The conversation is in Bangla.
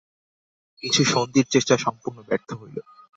কিন্তু সন্ধির চেষ্টা সম্পূর্ণ ব্যর্থ হইল।